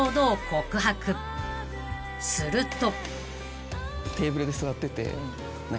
［すると］